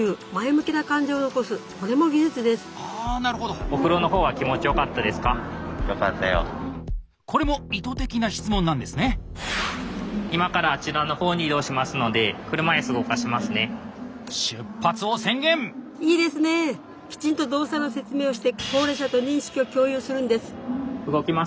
きちんと動作の説明をして高齢者と認識を共有するんです。